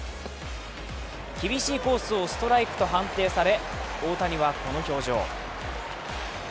厳しいコースをストライクと判定され、大谷はこの表情。